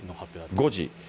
５時。